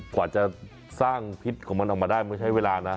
กว่าจะสร้างพิษของมันออกมาได้ไม่ใช้เวลานะ